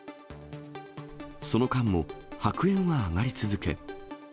その間も、白煙は上がり続け。